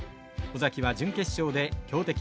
尾崎は準決勝で強敵